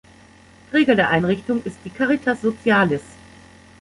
Träger der Einrichtung ist die Caritas Socialis.